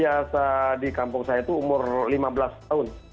paling muda usia di kampung saya itu umur lima belas tahun